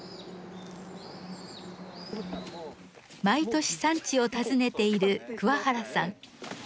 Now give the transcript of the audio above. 毎年産地を訪ねている桑原さん。